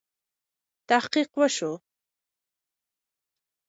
تحقیق وسو.